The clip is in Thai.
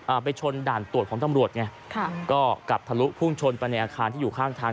ไปชนด่านตรวจของตำรวจไงค่ะก็กลับทะลุพุ่งชนไปในอาคารที่อยู่ข้างทาง